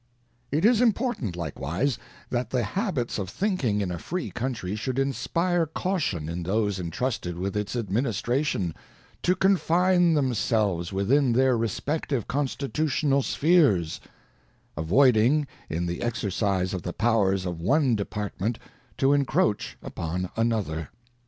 ŌĆö It is important, likewise, that the habits of thinking in a free country should inspire caution in those entrusted with its adminis tration, to confine themselves within their respective constitutional spheres ; avoiding in the exercise of the powers of one department to encroach upon another.